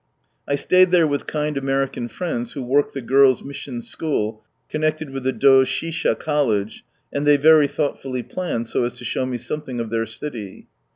I stayed therewith kind American friends who work the Girls' Mission School, connected with the Doshisha College, and they very thoughtfully planned so as to show me something of their city.